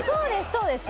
そうです